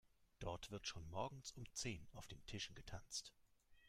Dort wird schon morgens um zehn auf den Tischen getanzt.